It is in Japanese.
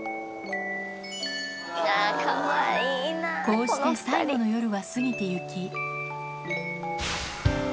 こうして最後の夜は過ぎてゆき